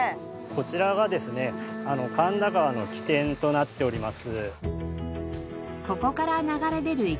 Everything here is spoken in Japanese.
こちらがですね神田川の起点となっております。